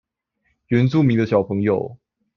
原住民族的小朋友